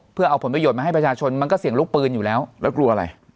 เพื่อเอาผลประโยชน์มาให้ประชาชนมันก็เสี่ยงลูกปืนอยู่แล้วแล้วกลัวอะไร